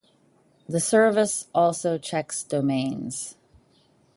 The service also checks domains.